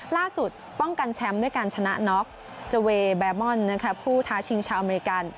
ล่าสุดป้องกันแชมป์ด้วยการชนะน็อคจเวแบมม่อนผู้ท้าชิงชาวอเมริกา